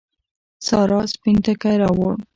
سارا سپين ټکی راووړ.